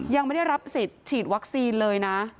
ยังไม่ได้รับสิทธิ์ฉีดวัคซีนเลยนะ